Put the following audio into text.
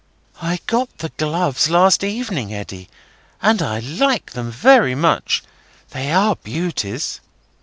"I got the gloves last evening, Eddy, and I like them very much. They are beauties."